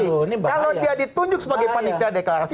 kalau dia ditunjuk sebagai panitia deklarasi